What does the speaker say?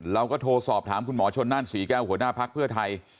เราก็โทรสอบถามคุณหมอชนนั่นศรีแก้วหัวหน้าภักดิ์เพื่อไทย